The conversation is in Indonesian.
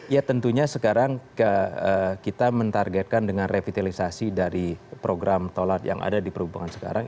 ya tentunya sekarang kita mentargetkan dengan revitalisasi dari program tolat yang ada di perhubungan sekarang